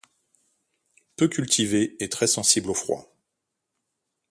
Peu cultivé et très sensible au froid.